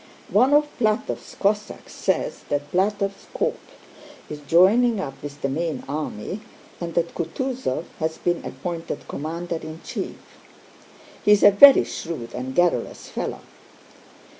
"One of Plátov's Cossacks says that Plátov's corps is joining up with the main army and that Kutúzov has been appointed commander in chief. He is a very shrewd and garrulous fellow."